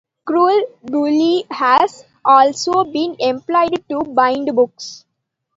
Cuir bouilli has also been employed to bind books.